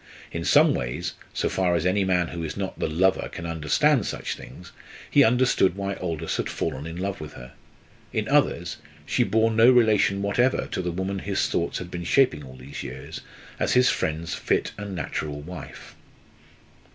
In some ways, so far as any man who is not the lover can understand such things, he understood why Aldous had fallen in love with her; in others, she bore no relation whatever to the woman his thoughts had been shaping all these years as his friend's fit and natural wife.